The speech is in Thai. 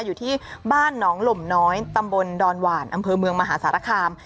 อยู่ที่บ้านหนองหล่มน้อยตำบลดอนหวานอำเภอเมืองมหาสารคาม